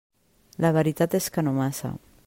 La veritat és que no massa.